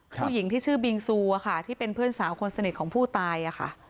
ผู้หญิงที่ชื่อบิงซูอะค่ะที่เป็นเพื่อนสาวคนสนิทของผู้ตายค่ะ